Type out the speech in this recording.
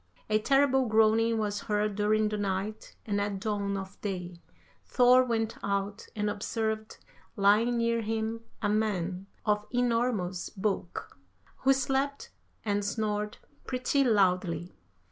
A terrible groaning was heard during the night, and at dawn of day, Thor went out and observed lying near him a man of enormous bulk, who slept and snored pretty loudly.